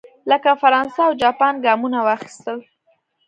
لکه فرانسه او جاپان ګامونه واخیستل.